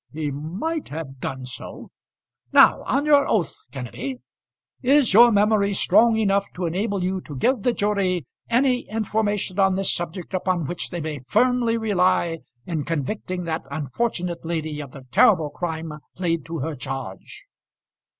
"He might have done so." "Now, on your oath, Kenneby, is your memory strong enough to enable you to give the jury any information on this subject upon which they may firmly rely in convicting that unfortunate lady of the terrible crime laid to her charge."